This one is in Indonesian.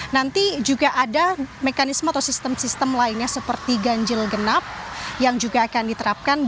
nanti juga ada mekanisme atau sistem sistem lainnya seperti ganjil genap yang juga akan diterapkan